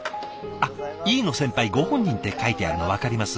あっ飯野先輩「ご本人」って書いてあるの分かります？